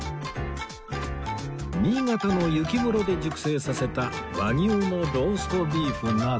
新潟の雪室で熟成させた和牛のローストビーフなど